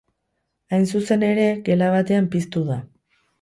Hain zuzen ere, gela batean piztu da.